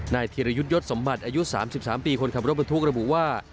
ธิรยุทธยศสมบัติอายุ๓๓ปีคนขับรถบรรทุกระบุว่า